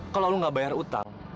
kalau lo gak bayar utang